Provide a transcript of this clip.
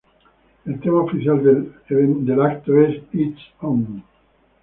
El tema oficial del evento es ""It's On!